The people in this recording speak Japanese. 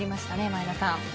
前田さん。